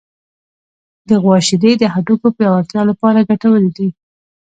د غوا شیدې د هډوکو پیاوړتیا لپاره ګټورې دي.